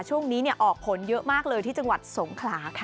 ช่วงนี้ออกผลเยอะมากเลยที่จังหวัดสงขลาค่ะ